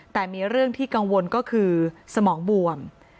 แต่มีเรื่องที่กังวลก็คือสมองบวม